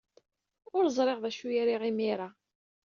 Ur ẓriɣ d acu ay riɣ imir-a.